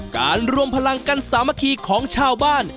รวมพลังกันสามัคคีของชาวบ้าน